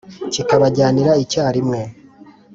Kikabajyanira icyarimwe